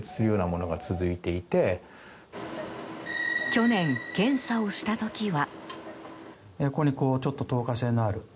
去年、検査をした時は。